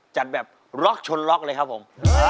จัดแบบล็อกชนล็อกเลยครับผม